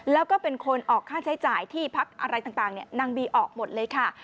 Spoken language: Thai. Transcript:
แล้วก็เป็นคนออกค่าใช้จ่ายที่พักอะไรต่างนางบีออกหมดเลยค่ะ